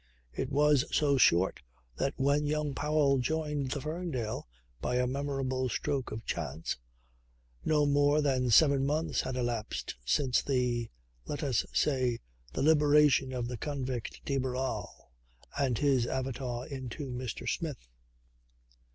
It was so short that when young Powell joined the Ferndale by a memorable stroke of chance, no more than seven months had elapsed since the let us say the liberation of the convict de Barral and his avatar into Mr. Smith.